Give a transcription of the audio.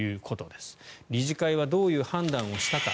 理事会はどういう判断をしたか。